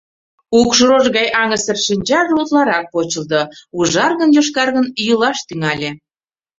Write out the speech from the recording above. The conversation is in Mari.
Укш рож гай аҥысыр шинчаже утларак почылто, ужаргын-йошкаргын йӱлаш тӱҥале.